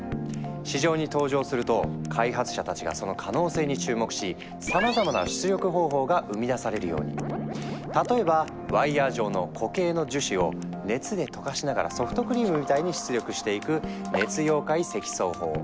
市場に登場すると開発者たちがその可能性に注目し例えばワイヤー状の固形の樹脂を熱で溶かしながらソフトクリームみたいに出力していく「熱溶解積層法」。